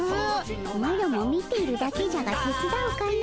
マロも見ているだけじゃがてつだうかの。